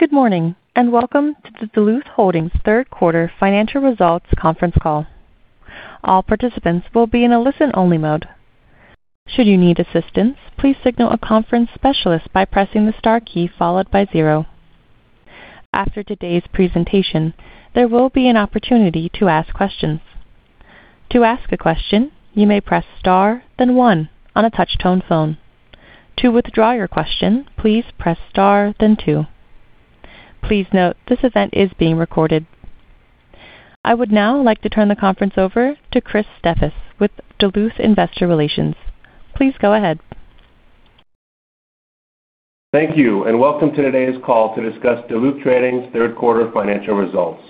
Good morning and welcome to the Duluth Holdings' Third Quarter Financial Results Conference Call. All participants will be in a listen-only mode. Should you need assistance, please signal a conference specialist by pressing the star key followed by zero. After today's presentation, there will be an opportunity to ask questions. To ask a question, you may press star, then one on a touch-tone phone. To withdraw your question, please press star, then two. Please note this event is being recorded. I would now like to turn the conference over to Chris Steffes with Duluth Investor Relations. Please go ahead. Thank you and welcome to today's call to discuss Duluth Trading's Third Quarter Financial Results.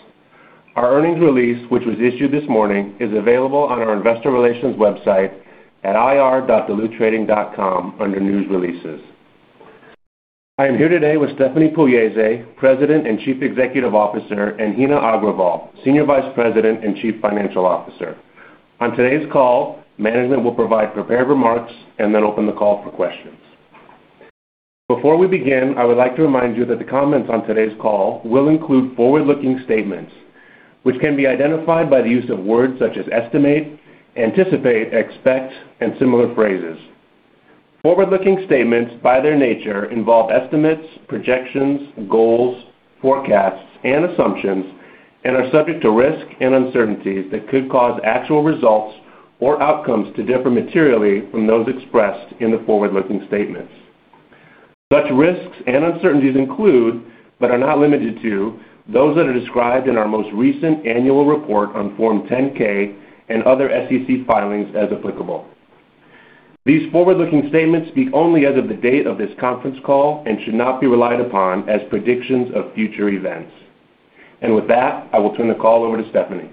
Our earnings release, which was issued this morning, is available on our investor relations website at ir.duluthtrading.com under news releases. I am here today with Stephanie Pugliese, President and Chief Executive Officer, and Heena Agrawal, Senior Vice President and Chief Financial Officer. On today's call, management will provide prepared remarks and then open the call for questions. Before we begin, I would like to remind you that the comments on today's call will include forward-looking statements, which can be identified by the use of words such as estimate, anticipate, expect, and similar phrases. Forward-looking statements, by their nature, involve estimates, projections, goals, forecasts, and assumptions, and are subject to risk and uncertainties that could cause actual results or outcomes to differ materially from those expressed in the forward-looking statements. Such risks and uncertainties include, but are not limited to, those that are described in our most recent annual report on Form 10-K and other SEC filings as applicable. These forward-looking statements speak only as of the date of this conference call and should not be relied upon as predictions of future events. And with that, I will turn the call over to Stephanie.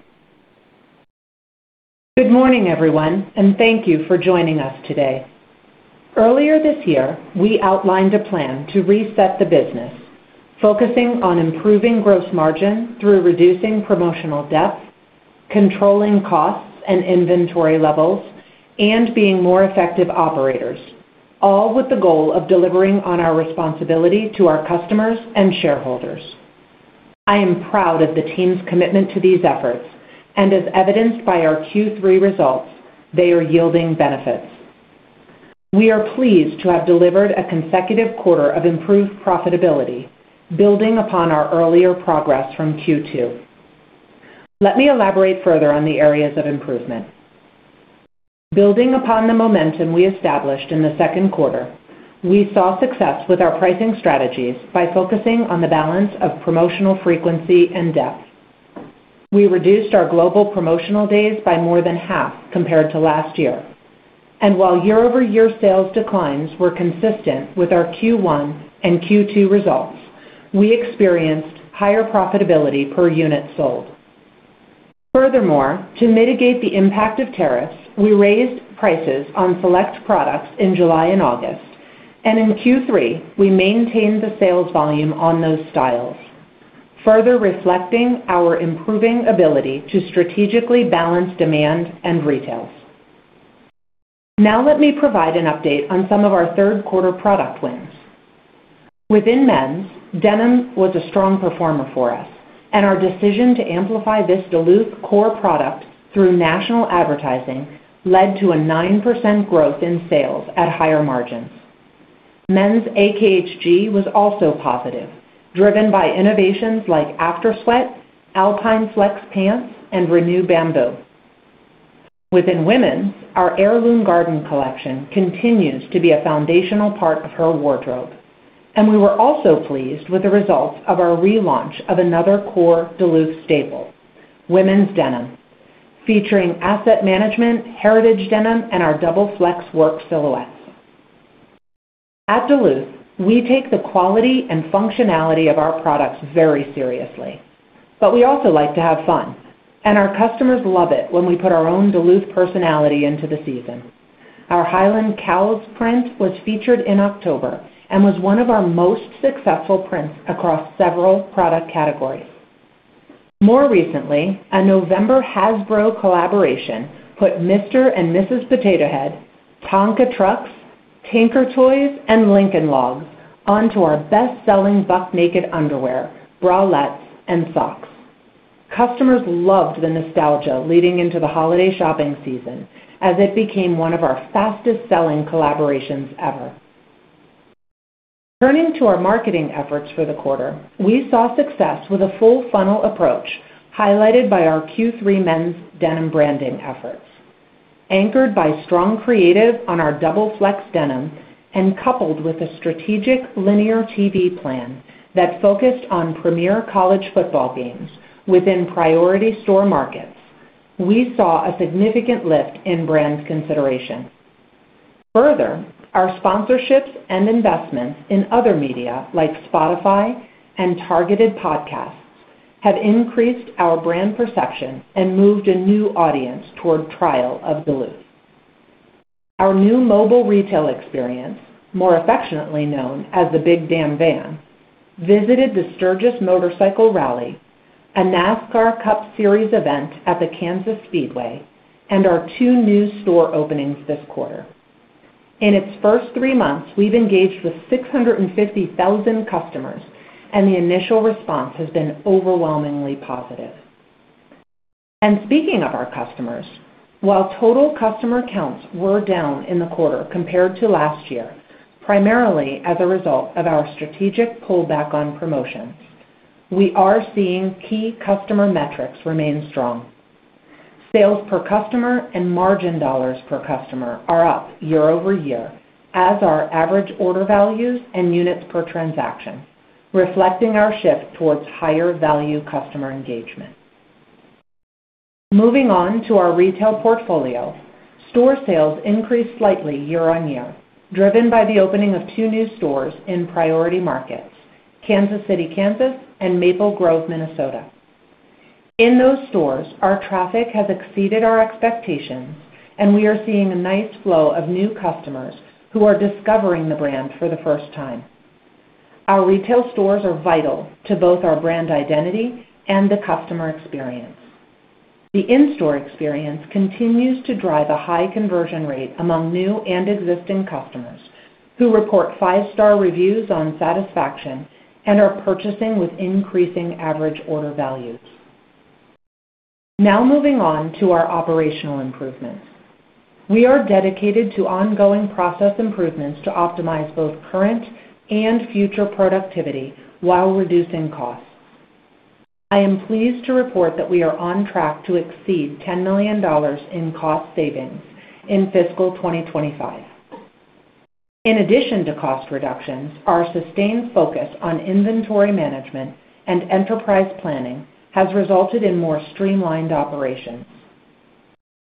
Good morning, everyone, and thank you for joining us today. Earlier this year, we outlined a plan to reset the business, focusing on improving gross margin through reducing promotional depth, controlling costs and inventory levels, and being more effective operators, all with the goal of delivering on our responsibility to our customers and shareholders. I am proud of the team's commitment to these efforts, and as evidenced by our Q3 results, they are yielding benefits. We are pleased to have delivered a consecutive quarter of improved profitability, building upon our earlier progress from Q2. Let me elaborate further on the areas of improvement. Building upon the momentum we established in the second quarter, we saw success with our pricing strategies by focusing on the balance of promotional frequency and depth. We reduced our global promotional days by more than half compared to last year. While year-over-year sales declines were consistent with our Q1 and Q2 results, we experienced higher profitability per unit sold. Furthermore, to mitigate the impact of tariffs, we raised prices on select products in July and August, and in Q3, we maintained the sales volume on those styles, further reflecting our improving ability to strategically balance demand and retails. Now let me provide an update on some of our third quarter product wins. Within Men's, denim was a strong performer for us, and our decision to amplify this Duluth core product through national advertising led to a 9% growth in sales at higher margins. Men's AKHG was also positive, driven by innovations like Après Sweat, Alpine Fleece pants, and Renu Bamboo. Within Women's, our Heirloom Gardening collection continues to be a foundational part of her wardrobe, and we were also pleased with the results of our relaunch of another core Duluth staple, Women's Denim, featuring Asset Management, heritage denim, and our Double Flex work silhouettes. At Duluth, we take the quality and functionality of our products very seriously, but we also like to have fun, and our customers love it when we put our own Duluth personality into the season. Our Highland Cows print was featured in October and was one of our most successful prints across several product categories. More recently, a November Hasbro collaboration put Mr. and Mrs. Potato Head, Tonka Trucks, Tinkertoys, and Lincoln Logs onto our best-selling Buck Naked underwear, bralettes, and socks. Customers loved the nostalgia leading into the holiday shopping season as it became one of our fastest-selling collaborations ever. Turning to our marketing efforts for the quarter, we saw success with a full funnel approach highlighted by our Q3 Men's Denim branding efforts. Anchored by strong creative on our Double Flex denim and coupled with a strategic linear TV plan that focused on premier college football games within priority store markets, we saw a significant lift in brand consideration. Further, our sponsorships and investments in other media like Spotify and targeted podcasts have increased our brand perception and moved a new audience toward trial of Duluth. Our new mobile retail experience, more affectionately known as the Big Dam Van, visited the Sturgis Motorcycle Rally, a NASCAR Cup Series event at the Kansas Speedway, and our two new store openings this quarter. In its first three months, we've engaged with 650,000 customers, and the initial response has been overwhelmingly positive. And speaking of our customers, while total customer counts were down in the quarter compared to last year, primarily as a result of our strategic pullback on promotions, we are seeing key customer metrics remain strong. Sales per customer and margin dollars per customer are up year-over-year, as are average order values and units per transaction, reflecting our shift towards higher value customer engagement. Moving on to our retail portfolio, store sales increased slightly year on year, driven by the opening of two new stores in priority markets, Kansas City, Kansas, and Maple Grove, Minnesota. In those stores, our traffic has exceeded our expectations, and we are seeing a nice flow of new customers who are discovering the brand for the first time. Our retail stores are vital to both our brand identity and the customer experience. The in-store experience continues to drive a high conversion rate among new and existing customers who report five-star reviews on satisfaction and are purchasing with increasing average order values. Now moving on to our operational improvements. We are dedicated to ongoing process improvements to optimize both current and future productivity while reducing costs. I am pleased to report that we are on track to exceed $10 million in cost savings in fiscal 2025. In addition to cost reductions, our sustained focus on inventory management and enterprise planning has resulted in more streamlined operations.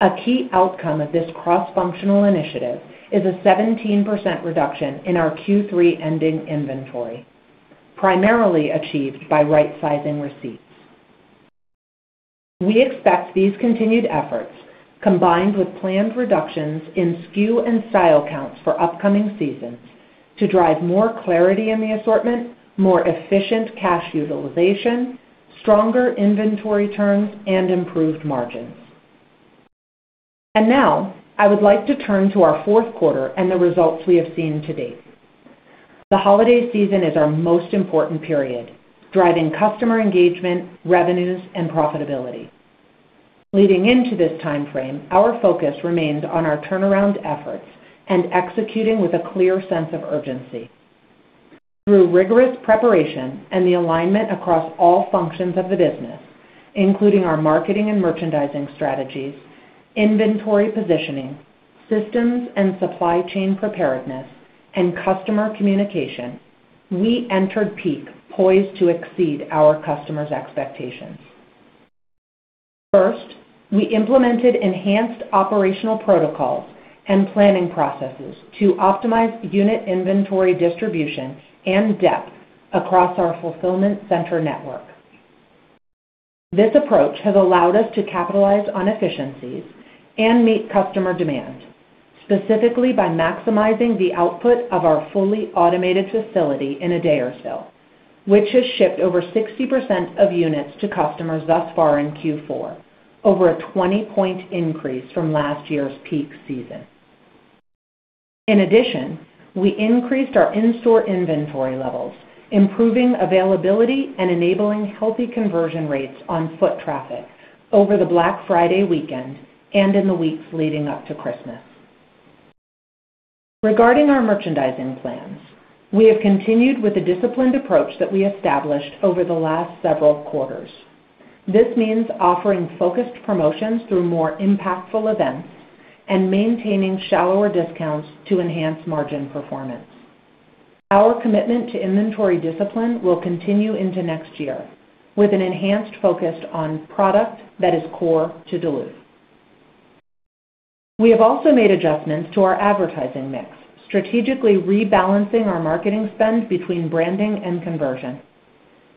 A key outcome of this cross-functional initiative is a 17% reduction in our Q3 ending inventory, primarily achieved by right-sizing receipts. We expect these continued efforts, combined with planned reductions in SKU and style counts for upcoming seasons, to drive more clarity in the assortment, more efficient cash utilization, stronger inventory turns, and improved margins. And now I would like to turn to our fourth quarter and the results we have seen to date. The holiday season is our most important period, driving customer engagement, revenues, and profitability. Leading into this timeframe, our focus remains on our turnaround efforts and executing with a clear sense of urgency. Through rigorous preparation and the alignment across all functions of the business, including our marketing and merchandising strategies, inventory positioning, systems and supply chain preparedness, and customer communication, we entered peak poised to exceed our customers' expectations. First, we implemented enhanced operational protocols and planning processes to optimize unit inventory distribution and depth across our fulfillment center network. This approach has allowed us to capitalize on efficiencies and meet customer demand, specifically by maximizing the output of our fully automated facility in Adairsville, which has shipped over 60% of units to customers thus far in Q4, over a 20-point increase from last year's peak season. In addition, we increased our in-store inventory levels, improving availability and enabling healthy conversion rates on foot traffic over the Black Friday weekend and in the weeks leading up to Christmas. Regarding our merchandising plans, we have continued with the disciplined approach that we established over the last several quarters. This means offering focused promotions through more impactful events and maintaining shallower discounts to enhance margin performance. Our commitment to inventory discipline will continue into next year with an enhanced focus on product that is core to Duluth. We have also made adjustments to our advertising mix, strategically rebalancing our marketing spend between branding and conversion.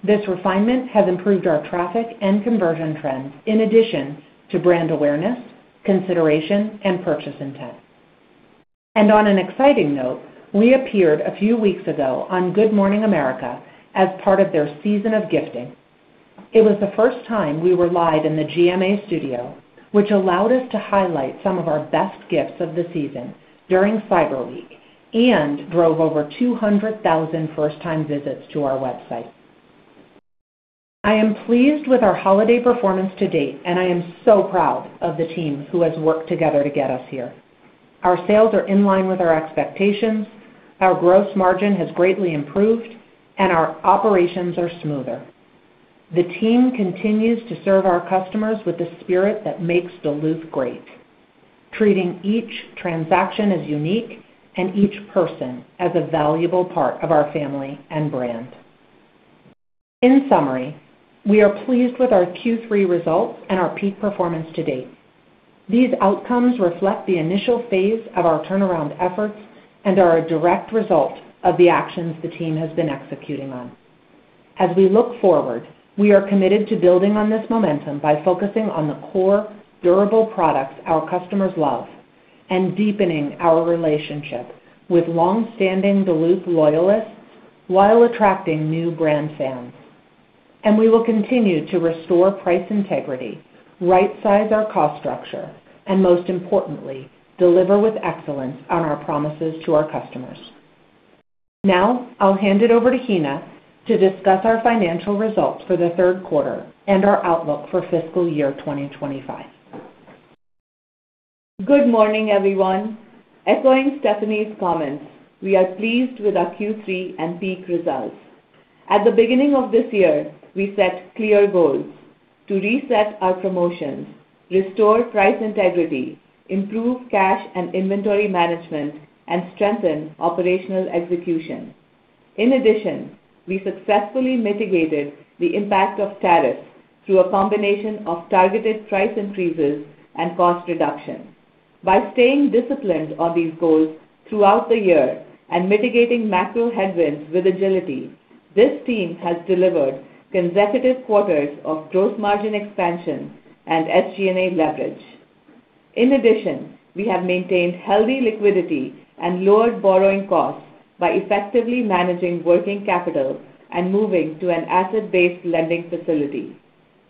This refinement has improved our traffic and conversion trends in addition to brand awareness, consideration, and purchase intent and on an exciting note, we appeared a few weeks ago on Good Morning America as part of their season of gifting. It was the first time we relied on the GMA studio, which allowed us to highlight some of our best gifts of the season during Cyber Week and drove over 200,000 first-time visits to our website. I am pleased with our holiday performance to date, and I am so proud of the team who has worked together to get us here. Our sales are in line with our expectations, our gross margin has greatly improved, and our operations are smoother. The team continues to serve our customers with the spirit that makes Duluth great, treating each transaction as unique and each person as a valuable part of our family and brand. In summary, we are pleased with our Q3 results and our peak performance to date. These outcomes reflect the initial phase of our turnaround efforts and are a direct result of the actions the team has been executing on. As we look forward, we are committed to building on this momentum by focusing on the core, durable products our customers love and deepening our relationship with long-standing Duluth loyalists while attracting new brand fans, and we will continue to restore price integrity, right-size our cost structure, and most importantly, deliver with excellence on our promises to our customers. Now I'll hand it over to Heena to discuss our financial results for the third quarter and our outlook for fiscal year 2025. Good morning, everyone. Echoing Stephanie's comments, we are pleased with our Q3 and peak results. At the beginning of this year, we set clear goals to reset our promotions, restore price integrity, improve cash and inventory management, and strengthen operational execution. In addition, we successfully mitigated the impact of tariffs through a combination of targeted price increases and cost reduction. By staying disciplined on these goals throughout the year and mitigating macro headwinds with agility, this team has delivered consecutive quarters of gross margin expansion and SG&A leverage. In addition, we have maintained healthy liquidity and lowered borrowing costs by effectively managing working capital and moving to an asset-based lending facility.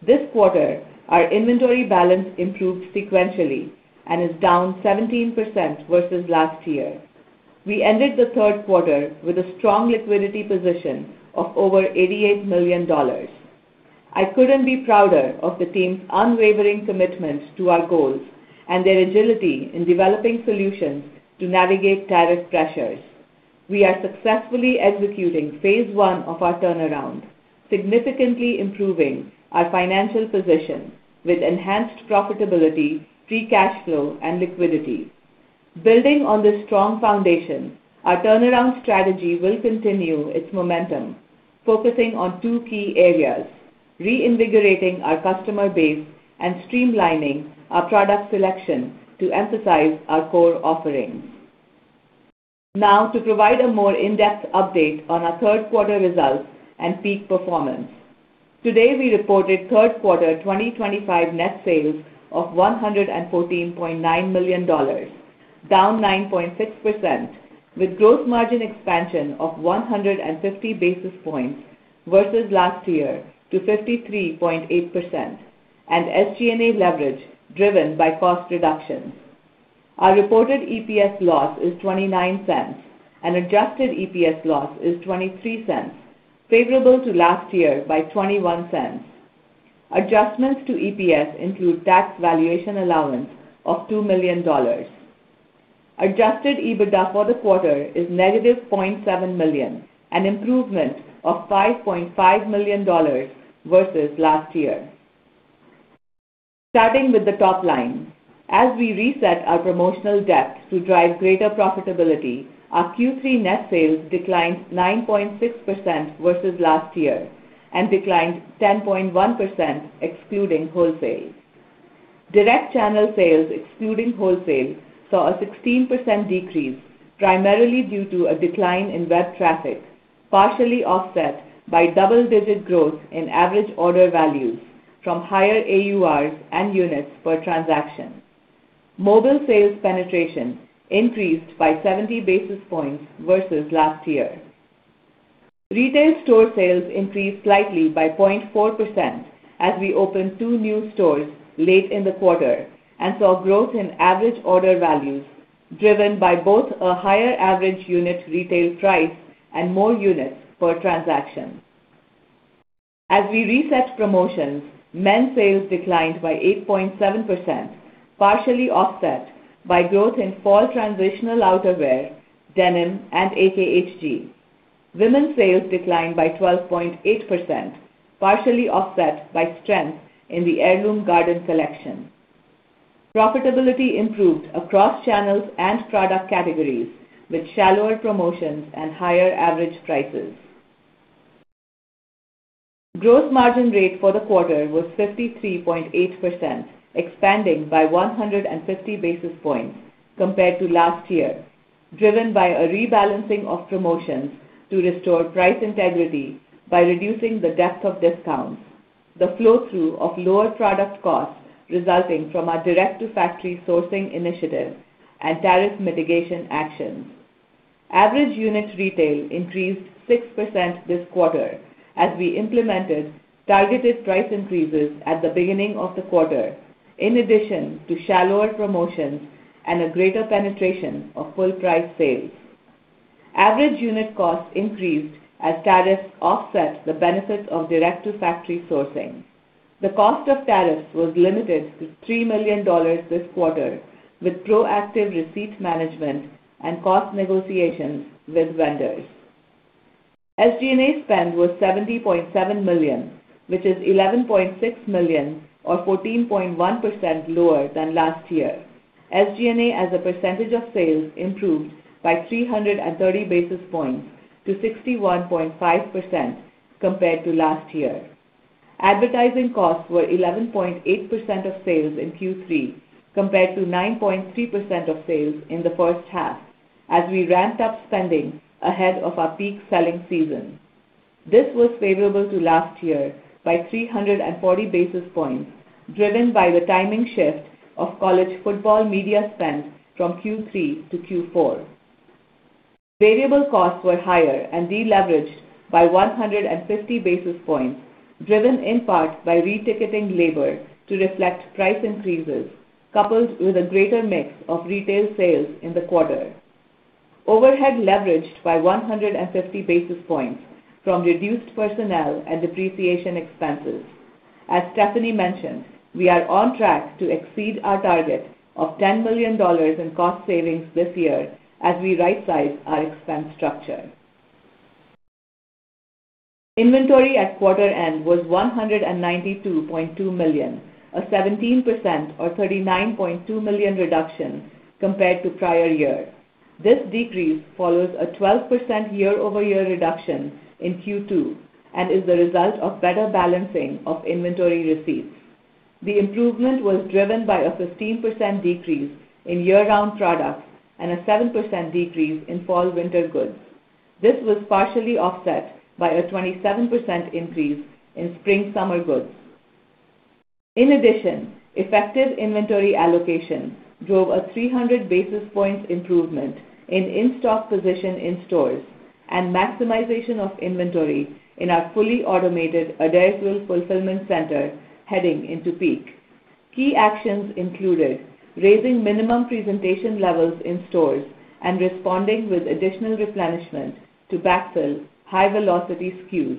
This quarter, our inventory balance improved sequentially and is down 17% versus last year. We ended the third quarter with a strong liquidity position of over $88 million. I couldn't be prouder of the team's unwavering commitment to our goals and their agility in developing solutions to navigate tariff pressures. We are successfully executing phase one of our turnaround, significantly improving our financial position with enhanced profitability, free cash flow, and liquidity. Building on this strong foundation, our turnaround strategy will continue its momentum, focusing on two key areas: reinvigorating our customer base and streamlining our product selection to emphasize our core offerings. Now, to provide a more in-depth update on our third quarter results and peak performance, today we reported third quarter 2025 net sales of $114.9 million, down 9.6%, with gross margin expansion of 150 basis points versus last year to 53.8%, and SG&A leverage driven by cost reductions. Our reported EPS loss is $0.29, and adjusted EPS loss is $0.23, favorable to last year by $0.21. Adjustments to EPS include tax valuation allowance of $2 million. Adjusted EBITDA for the quarter is negative $0.7 million, an improvement of $5.5 million versus last year. Starting with the top line, as we reset our promotional depth to drive greater profitability, our Q3 net sales declined 9.6% versus last year and declined 10.1% excluding wholesale. Direct channel sales excluding wholesale saw a 16% decrease, primarily due to a decline in web traffic, partially offset by double-digit growth in average order values from higher AURs and units per transaction. Mobile sales penetration increased by 70 basis points versus last year. Retail store sales increased slightly by 0.4% as we opened two new stores late in the quarter and saw growth in average order values driven by both a higher average unit retail price and more units per transaction. As we reset promotions, men's sales declined by 8.7%, partially offset by growth in fall transitional outerwear, denim, and AKHG. Women's sales declined by 12.8%, partially offset by strength in the Heirloom Gardening collection. Profitability improved across channels and product categories with shallower promotions and higher average prices. Gross margin rate for the quarter was 53.8%, expanding by 150 basis points compared to last year, driven by a rebalancing of promotions to restore price integrity by reducing the depth of discounts, the flow-through of lower product costs resulting from our direct-to-factory sourcing initiative, and tariff mitigation actions. Average unit retail increased 6% this quarter as we implemented targeted price increases at the beginning of the quarter, in addition to shallower promotions and a greater penetration of full-price sales. Average unit costs increased as tariffs offset the benefits of direct-to-factory sourcing. The cost of tariffs was limited to $3 million this quarter with proactive receipt management and cost negotiations with vendors. SG&A spend was $70.7 million, which is $11.6 million or 14.1% lower than last year. SG&A as a percentage of sales improved by 330 basis points to 61.5% compared to last year. Advertising costs were 11.8% of sales in Q3 compared to 9.3% of sales in the first half as we ramped up spending ahead of our peak selling season. This was favorable to last year by 340 basis points driven by the timing shift of college football media spend from Q3 to Q4. Variable costs were higher and deleveraged by 150 basis points, driven in part by reticketing labor to reflect price increases coupled with a greater mix of retail sales in the quarter. Overhead leveraged by 150 basis points from reduced personnel and depreciation expenses. As Stephanie mentioned, we are on track to exceed our target of $10 million in cost savings this year as we right-size our expense structure. Inventory at quarter end was $192.2 million, a 17% or $39.2 million reduction compared to prior year. This decrease follows a 12% year-over-year reduction in Q2 and is the result of better balancing of inventory receipts. The improvement was driven by a 15% decrease in year-round products and a 7% decrease in fall winter goods. This was partially offset by a 27% increase in spring-summer goods. In addition, effective inventory allocation drove a 300 basis points improvement in in-stock position in stores and maximization of inventory in our fully automated Adairsville Fulfillment Center heading into peak. Key actions included raising minimum presentation levels in stores and responding with additional replenishment to backfill high-velocity SKUs.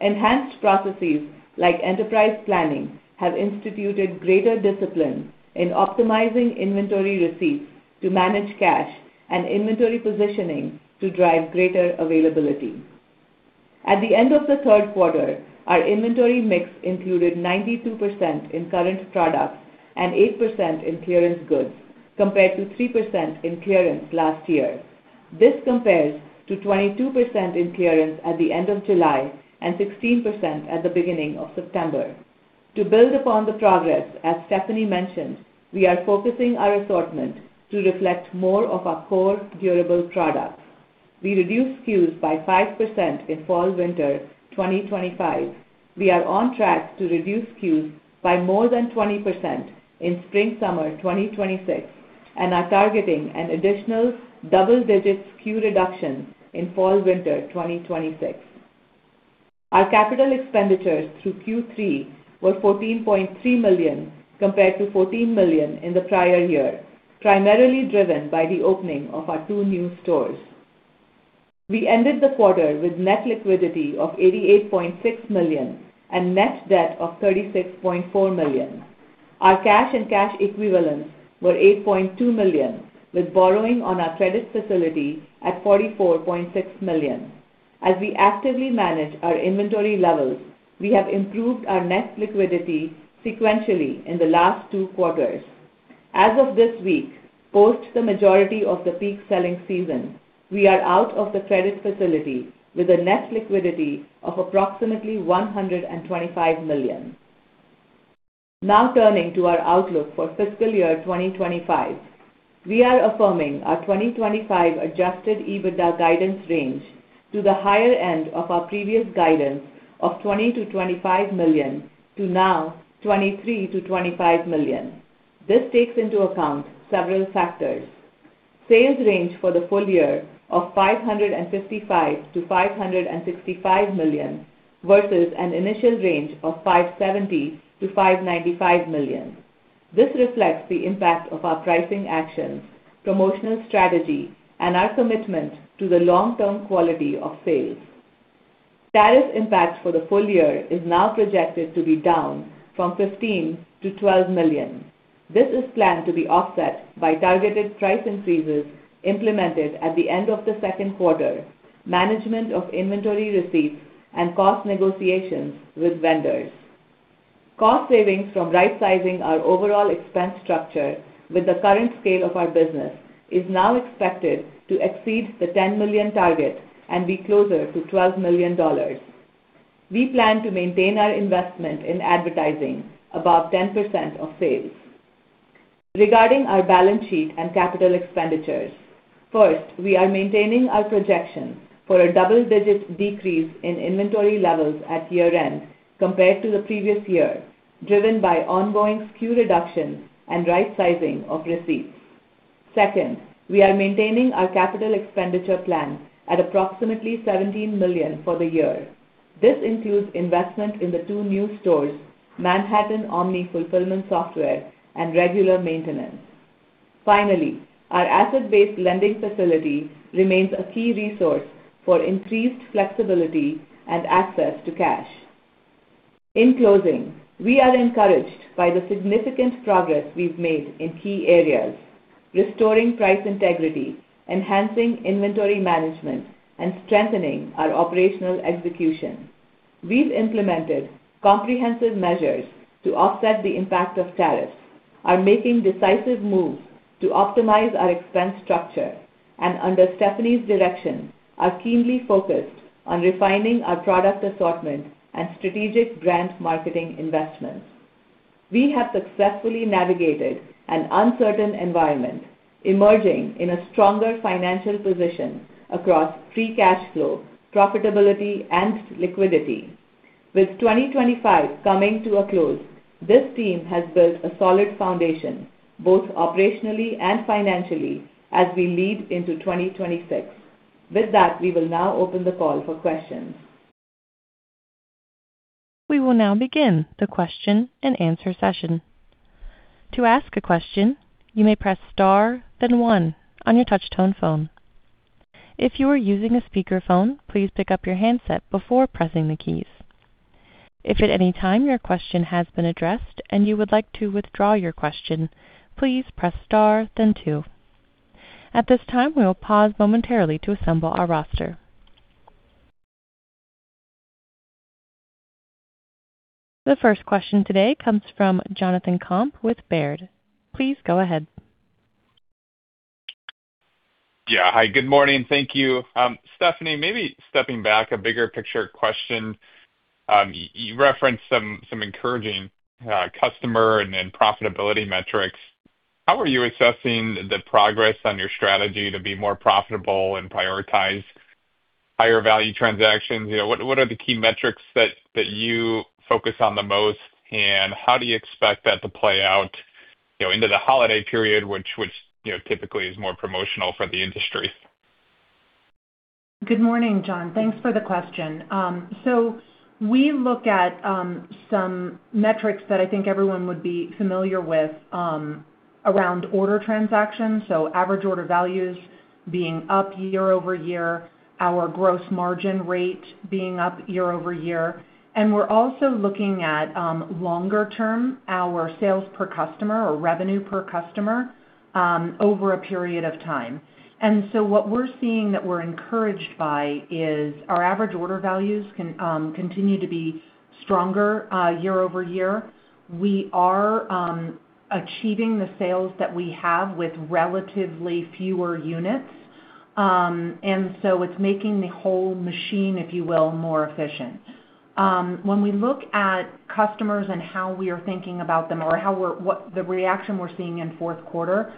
Enhanced processes like enterprise planning have instituted greater discipline in optimizing inventory receipts to manage cash and inventory positioning to drive greater availability. At the end of the third quarter, our inventory mix included 92% in current products and 8% in clearance goods compared to 3% in clearance last year. This compares to 22% in clearance at the end of July and 16% at the beginning of September. To build upon the progress, as Stephanie mentioned, we are focusing our assortment to reflect more of our core durable products. We reduced SKUs by 5% in Fall/Winter 2025. We are on track to reduce SKUs by more than 20% in Spring/Summer 2026, and are targeting an additional double-digit SKU reduction in Fall/Winter 2026. Our capital expenditures through Q3 were $14.3 million compared to $14 million in the prior year, primarily driven by the opening of our two new stores. We ended the quarter with net liquidity of $88.6 million and net debt of $36.4 million. Our cash and cash equivalents were $8.2 million, with borrowing on our credit facility at $44.6 million. As we actively manage our inventory levels, we have improved our net liquidity sequentially in the last two quarters. As of this week, post the majority of the peak selling season, we are out of the credit facility with a net liquidity of approximately $125 million. Now turning to our outlook for fiscal year 2025, we are affirming our 2025 adjusted EBITDA guidance range to the higher end of our previous guidance of $20-$25 million to now $23-$25 million. This takes into account several factors. Sales range for the full year of $555-$565 million versus an initial range of $570-$595 million. This reflects the impact of our pricing actions, promotional strategy, and our commitment to the long-term quality of sales. Tariff impact for the full year is now projected to be down from $15 million to $12 million. This is planned to be offset by targeted price increases implemented at the end of the second quarter, management of inventory receipts, and cost negotiations with vendors. Cost savings from right-sizing our overall expense structure with the current scale of our business is now expected to exceed the $10 million target and be closer to $12 million. We plan to maintain our investment in advertising above 10% of sales. Regarding our balance sheet and capital expenditures, first, we are maintaining our projection for a double-digit decrease in inventory levels at year-end compared to the previous year, driven by ongoing SKU reduction and right-sizing of receipts. Second, we are maintaining our capital expenditure plan at approximately $17 million for the year. This includes investment in the two new stores, Manhattan Omni Fulfillment Software, and regular maintenance. Finally, our asset-based lending facility remains a key resource for increased flexibility and access to cash. In closing, we are encouraged by the significant progress we've made in key areas: restoring price integrity, enhancing inventory management, and strengthening our operational execution. We've implemented comprehensive measures to offset the impact of tariffs, are making decisive moves to optimize our expense structure, and under Stephanie's direction, are keenly focused on refining our product assortment and strategic brand marketing investments. We have successfully navigated an uncertain environment, emerging in a stronger financial position across free cash flow, profitability, and liquidity. With 2025 coming to a close, this team has built a solid foundation both operationally and financially as we lead into 2026. With that, we will now open the call for questions. We will now begin the question and answer session. To ask a question, you may press star, then one on your touch-tone phone. If you are using a speakerphone, please pick up your handset before pressing the keys. If at any time your question has been addressed and you would like to withdraw your question, please press star, then two. At this time, we will pause momentarily to assemble our roster. The first question today comes from Jonathan Komp with Baird. Please go ahead. Yeah. Hi, good morning. Thank you. Stephanie, maybe stepping back, a bigger picture question. You referenced some encouraging customer and profitability metrics. How are you assessing the progress on your strategy to be more profitable and prioritize higher-value transactions? What are the key metrics that you focus on the most, and how do you expect that to play out into the holiday period, which typically is more promotional for the industry? Good morning, Jon. Thanks for the question. So we look at some metrics that I think everyone would be familiar with around order transactions, so average order values being up year-over-year, our gross margin rate being up year-over-year. And we're also looking at longer-term our sales per customer or revenue per customer over a period of time. And so what we're seeing that we're encouraged by is our average order values can continue to be stronger year-over-year. We are achieving the sales that we have with relatively fewer units, and so it's making the whole machine, if you will, more efficient. When we look at customers and how we are thinking about them or the reaction we're seeing in fourth quarter,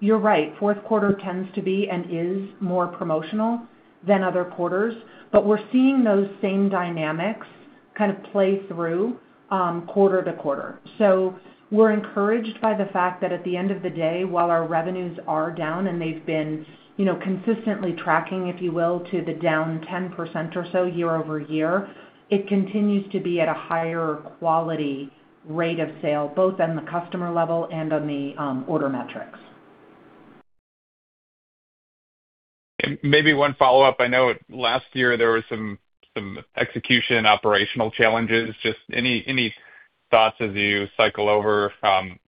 you're right, fourth quarter tends to be and is more promotional than other quarters, but we're seeing those same dynamics kind of play through quarter to quarter. So we're encouraged by the fact that at the end of the day, while our revenues are down and they've been consistently tracking, if you will, to the down 10% or so year-over-year, it continues to be at a higher quality rate of sale, both on the customer level and on the order metrics. Maybe one follow-up. I know last year there were some execution operational challenges. Just any thoughts as you cycle over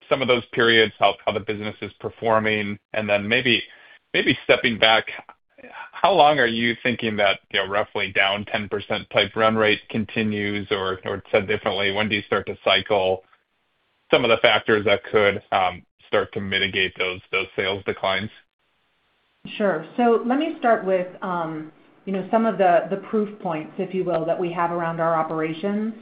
some of those periods, how the business is performing, and then maybe stepping back, how long are you thinking that roughly down 10% type run rate continues, or said differently, when do you start to cycle some of the factors that could start to mitigate those sales declines? Sure. So let me start with some of the proof points, if you will, that we have around our operations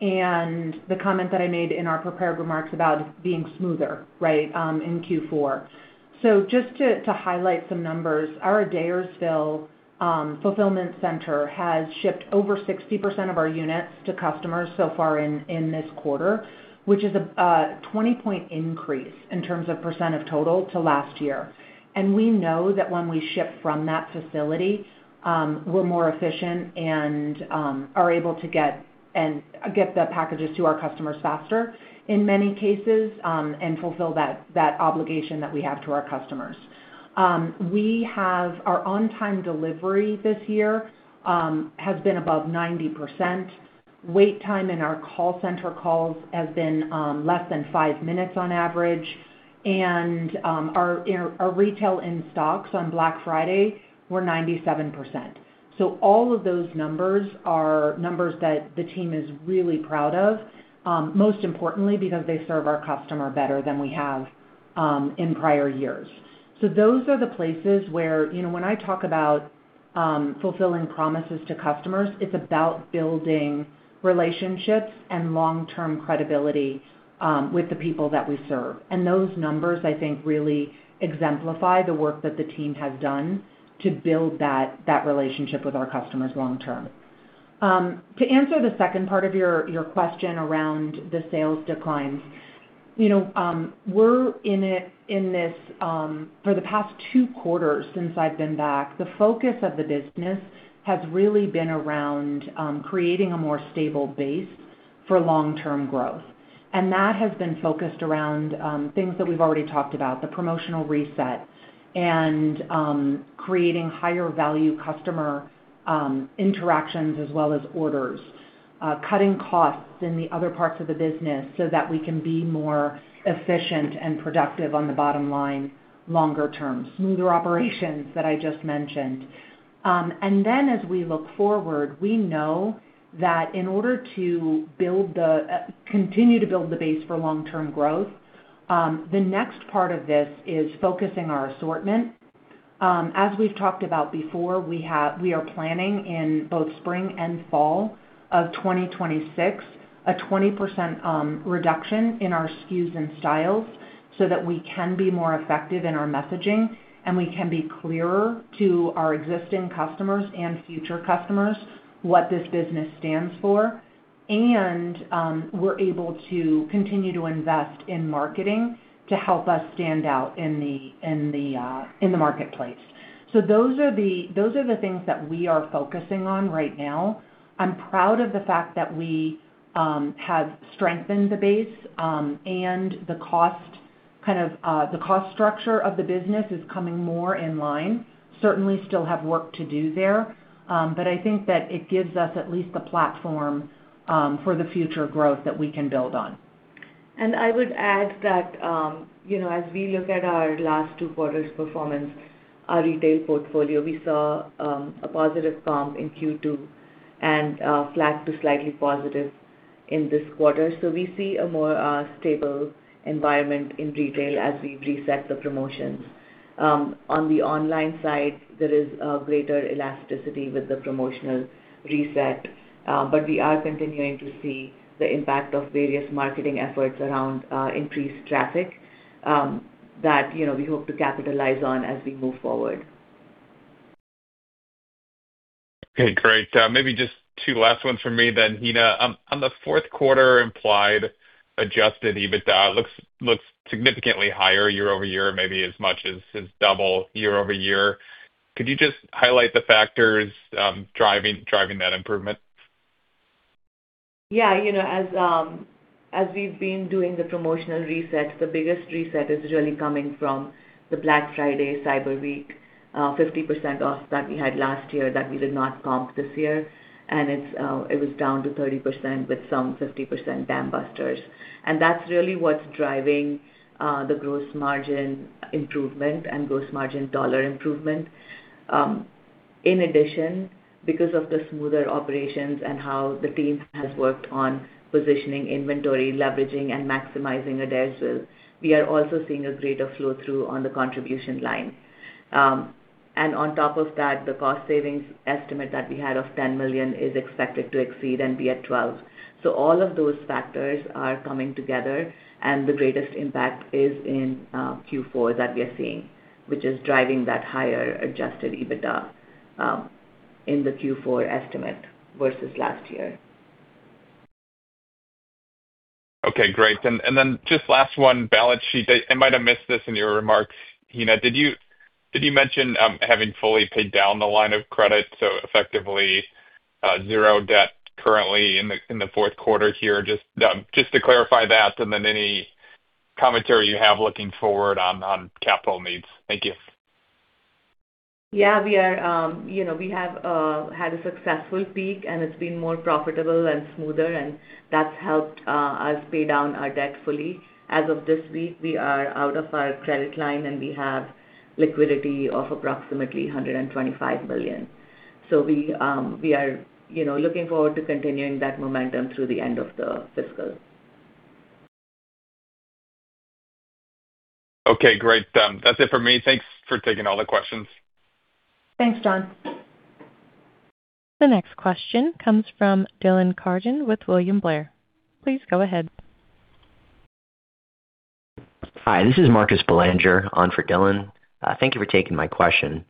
and the comment that I made in our prepared remarks about being smoother, right, in Q4. So just to highlight some numbers, our Adairsville Fulfillment Center has shipped over 60% of our units to customers so far in this quarter, which is a 20-point increase in terms of percent of total to last year. We know that when we ship from that facility, we're more efficient and are able to get the packages to our customers faster in many cases and fulfill that obligation that we have to our customers. Our on-time delivery this year has been above 90%. Wait time in our call center calls has been less than five minutes on average. And our retail in stocks on Black Friday were 97%. So all of those numbers are numbers that the team is really proud of, most importantly because they serve our customer better than we have in prior years. So those are the places where when I talk about fulfilling promises to customers, it's about building relationships and long-term credibility with the people that we serve. And those numbers, I think, really exemplify the work that the team has done to build that relationship with our customers long-term. To answer the second part of your question around the sales declines, we're in this for the past two quarters since I've been back. The focus of the business has really been around creating a more stable base for long-term growth. And that has been focused around things that we've already talked about, the promotional reset and creating higher-value customer interactions as well as orders, cutting costs in the other parts of the business so that we can be more efficient and productive on the bottom line longer term, smoother operations that I just mentioned. And then as we look forward, we know that in order to continue to build the base for long-term growth, the next part of this is focusing our assortment. As we've talked about before, we are planning in both spring and fall of 2026 a 20% reduction in our SKUs and styles so that we can be more effective in our messaging and we can be clearer to our existing customers and future customers what this business stands for, and we're able to continue to invest in marketing to help us stand out in the marketplace, so those are the things that we are focusing on right now. I'm proud of the fact that we have strengthened the base and the cost structure of the business is coming more in line. Certainly, still have work to do there, but I think that it gives us at least the platform for the future growth that we can build on. And I would add that as we look at our last two quarters' performance, our retail portfolio, we saw a positive comp in Q2 and flat to slightly positive in this quarter. So we see a more stable environment in retail as we've reset the promotions. On the online side, there is greater elasticity with the promotional reset, but we are continuing to see the impact of various marketing efforts around increased traffic that we hope to capitalize on as we move forward. Okay. Great. Maybe just two last ones for me then, Heena. On the fourth quarter implied Adjusted EBITDA, it looks significantly higher year-over-year, maybe as much as double year-over-year. Could you just highlight the factors driving that improvement? Yeah. As we've been doing the promotional reset, the biggest reset is really coming from the Black Friday Cyber Week 50% off that we had last year that we did not comp this year, and it was down to 30% with some 50% doorbusters. And that's really what's driving the gross margin improvement and gross margin dollar improvement. In addition, because of the smoother operations and how the team has worked on positioning inventory, leveraging, and maximizing Adairsville, we are also seeing a greater flow-through on the contribution line, and on top of that, the cost savings estimate that we had of $10 million is expected to exceed and be at $12 million. So all of those factors are coming together, and the greatest impact is in Q4 that we are seeing, which is driving that higher Adjusted EBITDA in the Q4 estimate versus last year. Okay. Great. And then just last one, balance sheet. I might have missed this in your remarks. Heena, did you mention having fully paid down the line of credit, so effectively zero debt currently in the fourth quarter here? Just to clarify that, and then any commentary you have looking forward on capital needs. Thank you. Yeah. We have had a successful peak, and it's been more profitable and smoother, and that's helped us pay down our debt fully. As of this week, we are out of our credit line, and we have liquidity of approximately $125 million. So we are looking forward to continuing that momentum through the end of the fiscal. Okay. Great. That's it for me. Thanks for taking all the questions. Thanks, Jon. The next question comes from Dylan Carden with William Blair. Please go ahead. Hi. This is Marcus Belanger on for Dylan. Thank you for taking my question.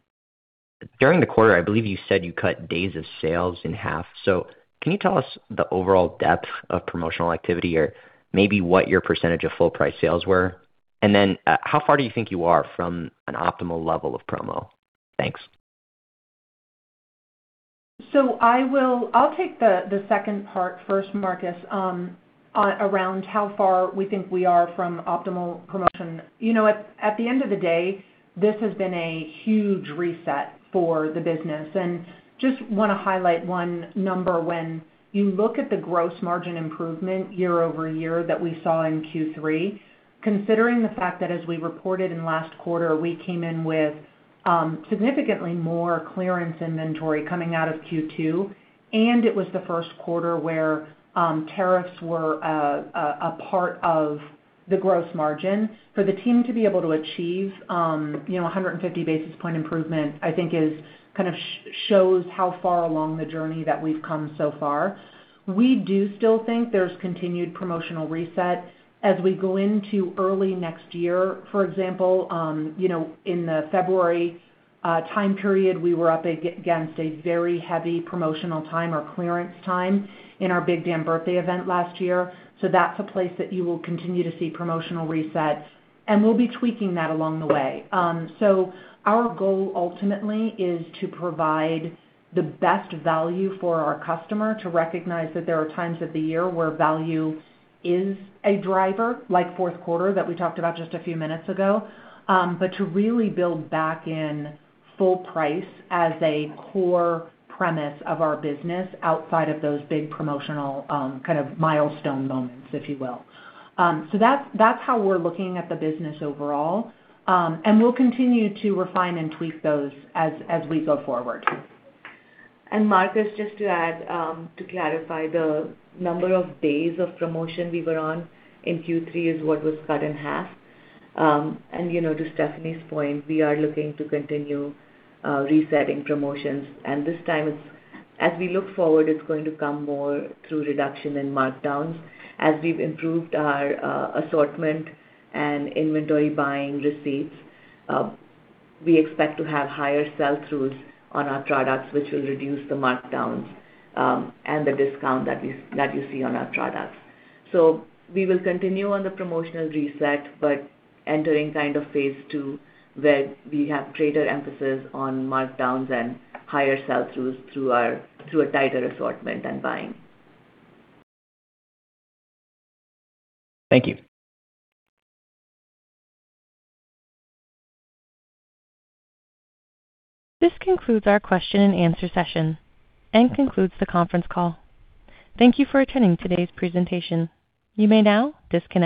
During the quarter, I believe you said you cut days of sales in half. So can you tell us the overall depth of promotional activity or maybe what your percentage of full-price sales were? And then how far do you think you are from an optimal level of promo? Thanks. So I'll take the second part first, Marcus, around how far we think we are from optimal promotion. At the end of the day, this has been a huge reset for the business. And just want to highlight one number. When you look at the gross margin improvement year-over-year that we saw in Q3, considering the fact that as we reported in last quarter, we came in with significantly more clearance inventory coming out of Q2, and it was the first quarter where tariffs were a part of the gross margin, for the team to be able to achieve 150 basis points improvement, I think kind of shows how far along the journey that we've come so far. We do still think there's continued promotional reset. As we go into early next year, for example, in the February time period, we were up against a very heavy promotional time or clearance time in our Big Dam Birthday event last year. So that's a place that you will continue to see promotional resets, and we'll be tweaking that along the way. So our goal ultimately is to provide the best value for our customer to recognize that there are times of the year where value is a driver, like fourth quarter that we talked about just a few minutes ago, but to really build back in full price as a core premise of our business outside of those big promotional kind of milestone moments, if you will. So that's how we're looking at the business overall, and we'll continue to refine and tweak those as we go forward. And Marcus, just to add, to clarify, the number of days of promotion we were on in Q3 is what was cut in half. And to Stephanie's point, we are looking to continue resetting promotions. And this time, as we look forward, it's going to come more through reduction and markdowns. As we've improved our assortment and inventory buying receipts, we expect to have higher sell-throughs on our products, which will reduce the markdowns and the discount that you see on our products, so we will continue on the promotional reset, but entering kind of phase two where we have greater emphasis on markdowns and higher sell-throughs through a tighter assortment and buying. Thank you. This concludes our question-and-answer session and concludes the conference call. Thank you for attending today's presentation. You may now disconnect.